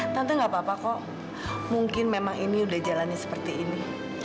tante gak apa apa kok mungkin memang ini udah jalannya seperti ini